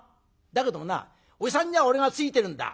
だけどもなおじさんには俺がついてるんだ。